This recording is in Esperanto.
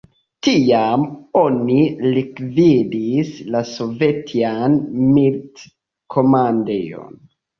Tiam oni likvidis la sovetian milit-komandejon.